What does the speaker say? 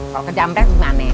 kalau kejam kejam aneh